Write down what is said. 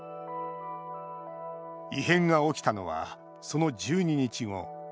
異変が起きたのは、その１２日後。